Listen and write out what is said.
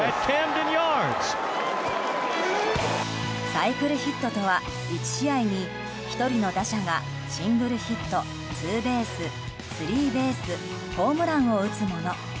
サイクルヒットとは１試合に、１人の打者がシングルヒットツーベース、スリーベースホームランを打つもの。